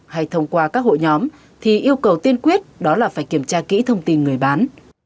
hay thông qua các hội nhóm thì yêu cầu tiên quyết đó là phải kiểm tra kỹ thông tin người bán